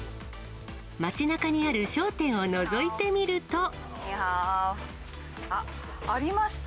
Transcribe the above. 街なかにある商店をのぞいてみるあっ、ありました。